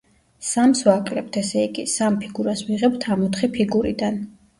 სამს ვაკლებთ, ესე იგი, სამ ფიგურას ვიღებთ ამ ოთხი ფიგურიდან.